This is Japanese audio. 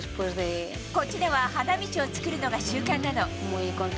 こっちでは花道を作るのが習慣なの。